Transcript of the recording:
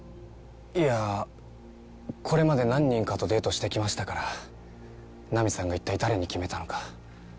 いやこれまで何人かとデートしてきましたからナミさんが一体誰に決めたのか。